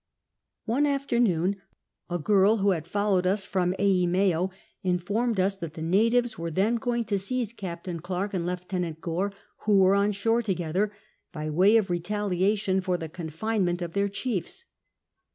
One after noon a girl that had followed us from Eiineo informed us that the luitives were then going to seize Captain Clerkc and Lieutenant Gore, who were on shore together, by way of retaliation for the confinement of their cliiefs.